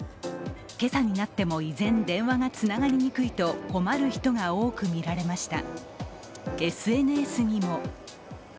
今朝になっても依然、電話がつながりにくいと、困る人が多くみられました。